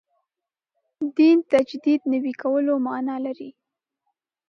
دین تجدید نوي کولو معنا لري.